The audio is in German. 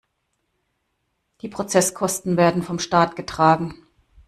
Die Prozesskosten werden vom Staat getragen.